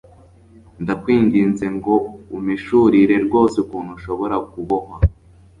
ndakwinginze ngo umpishurire rwose ukuntu ushobora kubohwa